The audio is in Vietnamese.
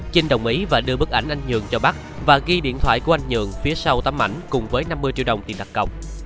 trinh đồng ý và đưa bức ảnh anh nhượng cho bắc và ghi điện thoại của anh nhượng phía sau tấm ảnh cùng với năm mươi triệu đồng tiền tạc cộng